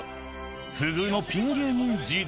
不遇のピン芸人時代。